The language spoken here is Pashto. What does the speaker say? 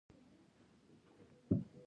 دغه رسنۍ د چلنجونو په اړه معلومات چمتو کوي.